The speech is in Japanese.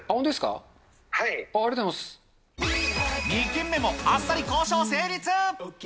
２軒目もあっさり交渉成立。